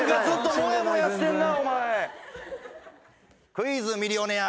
『クイズ＄ミリオネア』